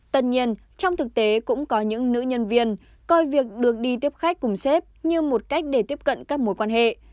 tất nhiên trong thực tế cũng có những nữ nhân viên coi việc được đi tiếp khách cùng xếp như một cách để tiếp cận các mối quan hệ